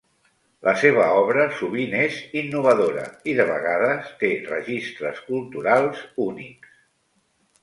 La seva obra sovint és innovadora i de vegades té registres culturals únics.